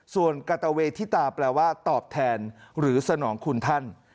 ส่วนกัตเวทิตาแปลว่าตอบแทนหรือสนองคุณท่าน